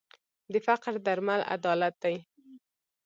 د فقر درمل عدالت دی.